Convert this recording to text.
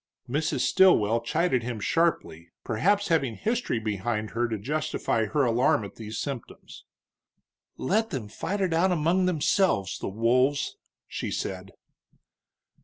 Mrs. Stilwell chided him sharply, perhaps having history behind her to justify her alarm at these symptoms. "Let them fight it out among themselves, the wolves!" she said.